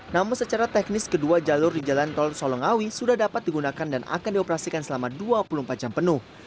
namun secara teknis kedua jalur di jalan tol solongawi sudah dapat digunakan dan akan dioperasikan selama dua puluh empat jam penuh